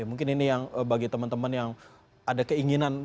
mungkin ini yang bagi teman teman yang ada keinginan